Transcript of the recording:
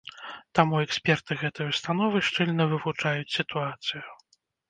Таму эксперты гэтай установы шчыльна вывучаюць сітуацыю.